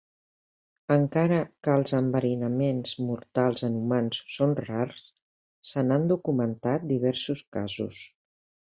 Encara que els enverinaments mortals en humans són rars, se n'han documentat diversos casos.